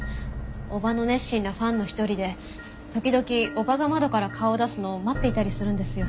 叔母の熱心なファンの一人で時々叔母が窓から顔を出すのを待っていたりするんですよ。